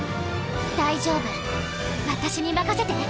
大丈夫私に任せて！